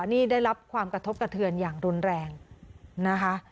นี่ได้รับความกระทบกระเทือนอย่างรุนแรงนะคะ